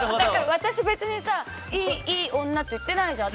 私別にいい女って言ってないじゃん。